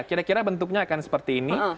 kira kira bentuknya akan seperti ini